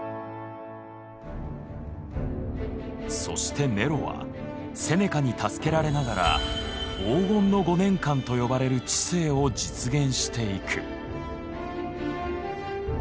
そしてネロはセネカに助けられながら「黄金の５年間」と呼ばれる治世を実現していく。